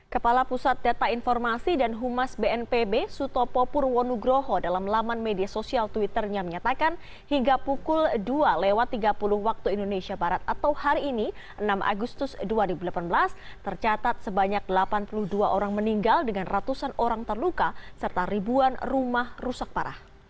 kepala pusat data informasi dan humas bnpb sutopo purwonugroho dalam laman media sosial twitternya menyatakan hingga pukul dua lewat tiga puluh waktu indonesia barat atau hari ini enam agustus dua ribu delapan belas tercatat sebanyak delapan puluh dua orang meninggal dengan ratusan orang terluka serta ribuan rumah rusak parah